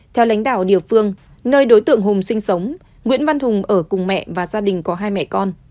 theo lãnh đạo địa phương nơi đối tượng hùng sinh sống nguyễn văn hùng ở cùng mẹ và gia đình có hai mẹ con